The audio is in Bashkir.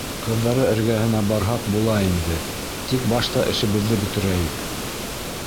— Ҡыҙҙары эргәһенә барһаҡ була инде, тик башта эшебеҙҙе бөтөрәйек.